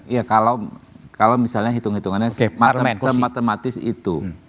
iya kalau misalnya hitung hitungannya sematematis itu